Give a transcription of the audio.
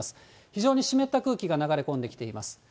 非常に湿った空気が流れ込んできています。